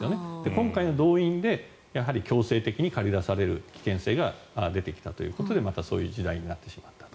今回の動員でやはり強制的に駆り出される危険性が出てきたということでまたそういう時代になってしまったと。